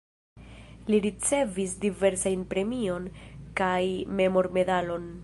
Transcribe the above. Li ricevis diversajn premion kaj memormedalon.